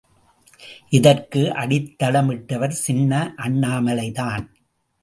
இதற்கு அடித்தளமிட்டவர் சின்ன அண்ணாமலைதான்.